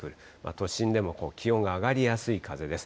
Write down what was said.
都心でも気温が上がりやすい風です。